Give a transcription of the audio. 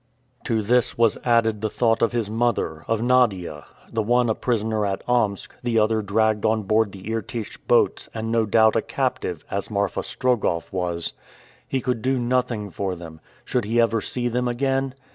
To this was added the thought of his mother, of Nadia, the one a prisoner at Omsk; the other dragged on board the Irtych boats, and no doubt a captive, as Marfa Strogoff was. He could do nothing for them. Should he ever see them again?